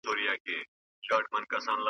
ته مي غوښي پرې کوه زه په دعا یم .